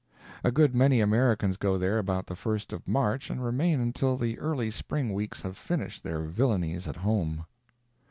A good many Americans go there about the first of March and remain until the early spring weeks have finished their villainies at home.